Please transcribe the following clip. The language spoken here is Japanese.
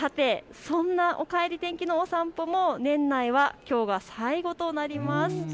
そんなおかえり天気のお散歩、年内はきょうが最後となります。